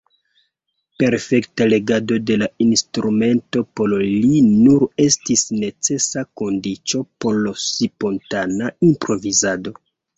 Perfekta regado de la instrumento por li nur estis necesa kondiĉo por spontana improvizado.